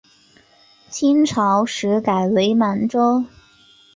清朝时改为满洲。